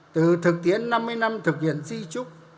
từ thực tiễn năm mươi năm thực hiện di trúc